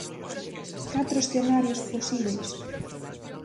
Catro escenarios posíbeis.